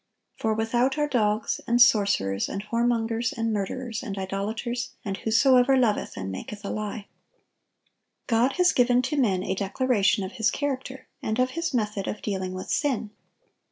For without are dogs, and sorcerers, and whoremongers, and murderers, and idolaters, and whosoever loveth and maketh a lie."(949) God has given to men a declaration of His character, and of His method of dealing with sin.